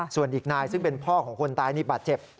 ส่วนอีกนายซึ่งเป็นพ่อของคนตายนี่บาดเจ็บ